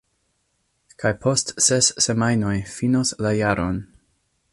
Kaj post ses semajnoj finos la jaron.